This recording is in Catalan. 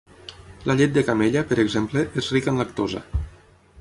La llet de camella, per exemple, és rica en lactosa.